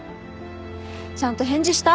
ちゃんと返事した？